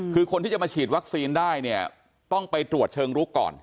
คือคนที่จะมาฉีดวัคซีนได้เนี่ยต้องไปตรวจเชิงลุกก่อน